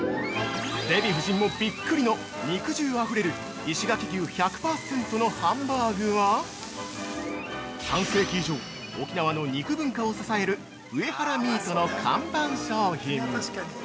◆デヴィ夫人もびっくりの肉汁あふれる石垣牛１００％のハンバーグは半世紀以上沖縄の肉文化を支える「上原ミート」の看板商品。